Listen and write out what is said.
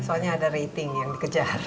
soalnya ada rating yang dikejar